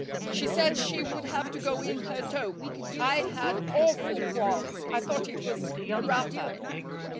"She said she would have to go in her toque. I had awful qualms. I thought it was a wrapper."